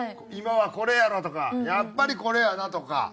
今はこれやろとかやっぱりこれやなとか。